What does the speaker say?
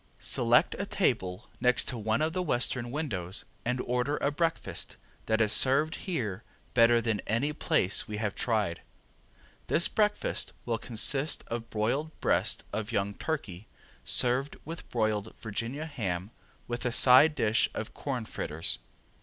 Select a table next to one of the western windows and order a breakfast that is served here better than any place we have tried. This breakfast will consist of broiled breast of young turkey, served with broiled Virginia ham with a side dish of corn fritters.